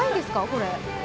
これ。